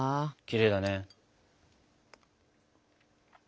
きれいだね。